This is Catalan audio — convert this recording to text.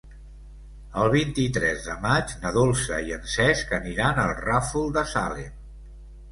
El vint-i-tres de maig na Dolça i en Cesc aniran al Ràfol de Salem.